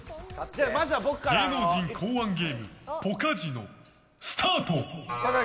芸能人考案ゲームポカジノスタート！